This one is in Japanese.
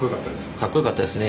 かっこよかったですね